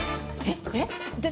えっ？えっ？